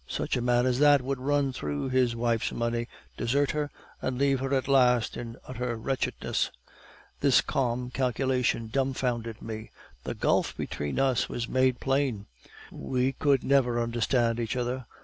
'Such a man as that would run through his wife's money, desert her, and leave her at last in utter wretchedness.' "This calm calculation dumfounded me. The gulf between us was made plain; we could never understand each other.